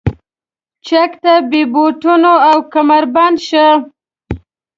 چک ته بې بوټونو او کمربنده شه.